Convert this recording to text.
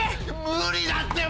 無理だって！